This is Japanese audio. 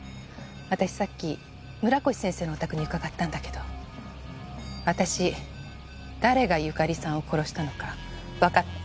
私さっき村越先生のお宅に伺ったんだけど私誰が由佳里さんを殺したのかわかった。